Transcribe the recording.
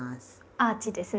アーチですね。